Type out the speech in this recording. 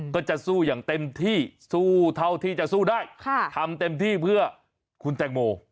ก็จะสู้อย่างเต็มที่สู้เท่าที่จะสู้ได้ทำเต็มที่เพื่อคุณแตงโม